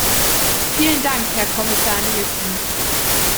Vielen Dank, Herr Kommissar Nielson!